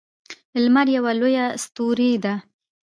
لمر یوه لویه ستوری ده